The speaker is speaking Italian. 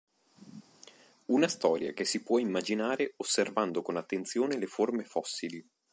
Una storia che si può immaginare osservando con attenzione le forme fossili.